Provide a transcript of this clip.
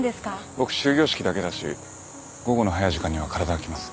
僕終業式だけだし午後の早い時間には体空きます。